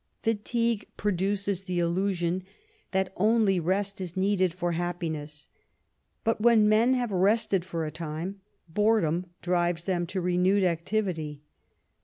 Fatigue produces the illusion that only rest is needed for happiness; but when men have rested for a time, boredom drives them to renewed activity.